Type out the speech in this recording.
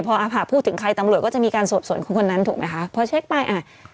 พออาผะพูดถึงใครตำรวจก็จะมีการสอบสวนคนนั้นถูกไหมคะพอเช็คไปอ่ะ